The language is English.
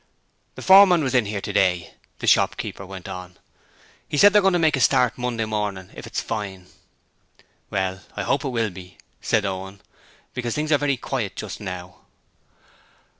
'The foreman was in here today,' the shopkeeper went on. 'He said they're going to make a start Monday morning if it's fine.' 'Well, I hope it will be,' said Owen, 'because things are very quiet just now.'